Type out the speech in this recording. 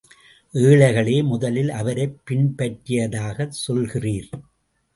ஏழைகளே முதலில் அவரைப் பின்பற்றியதாகச் சொல்கிறீர்.